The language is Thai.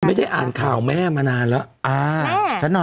ไม่ได้อ่านข่าวแม่มานานแล้ว